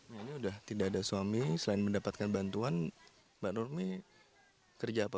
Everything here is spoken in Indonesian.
ini sudah tidak ada suami selain mendapatkan bantuan mbak nurmi kerja apa